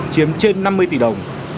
chiếm trên năm mươi tỷ đồng